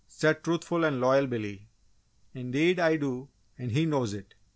said truthful and loyal Billy. "Indeed I do, and he knows it!